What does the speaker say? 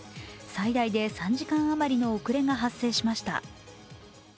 最大で３時間余りの遅れが発生しました。